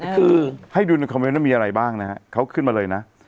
คือให้ดูในคอมเมนต์มีอะไรบ้างนะฮะเขาขึ้นมาเลยนะ